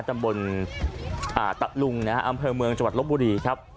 ตำบลตะลุงนะฮะอำเภอเมืองจังหวัดลบบุรีครับ